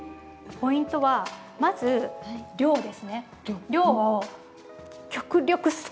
ポイントはまず量ですね。